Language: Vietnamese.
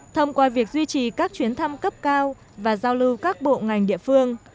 thông qua việc duy trì các chuyến thăm cấp cao và giao lưu các bộ ngành địa phương